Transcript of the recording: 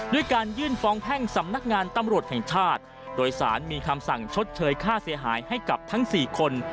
ด้วยการยื่นฟ้องแพ่งสำนักงานตำรวจแห่งชาติโดยสารมีคำสั่งชดเชยค่าเสียหายให้กับทั้ง๔คน